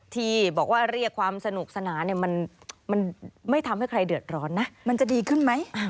ที่บอกว่าเรียกความสนุกสนะมันไม่ทำให้ใครเดือดร้อนนะ